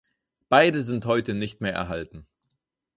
Beide sind heute nicht mehr erhalten.